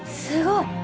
すごい！